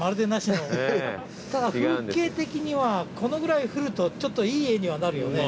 ただ風景的にはこのぐらい降るとちょっといい絵にはなるよね。